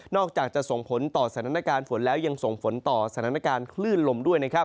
อกจากจะส่งผลต่อสถานการณ์ฝนแล้วยังส่งผลต่อสถานการณ์คลื่นลมด้วยนะครับ